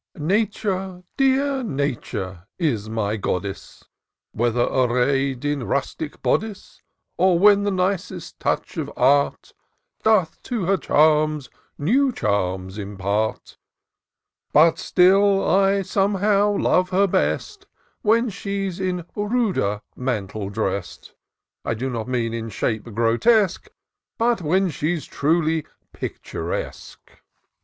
ATURE, dear Nature, is my goddess, Whether array'd in rustic bodice, Or when the nicest touch of Art Doth to her charms new charms impart ; But still I, somehow, love her best When she's in ruder mantle drest : I do not mean in shape grotesque. But when she's truly picturesque.